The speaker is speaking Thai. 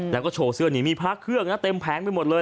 แล้วก็โชว์เสื้อนี้มีพระเครื่องนะเต็มแผงไปหมดเลย